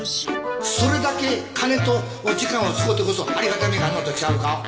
それだけ金と時間を使うてこそありがたみがあんのとちゃうか？